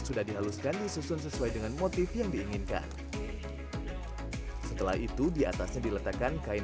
sudah dihaluskan disusun sesuai dengan motif yang diinginkan setelah itu diatasnya diletakkan kain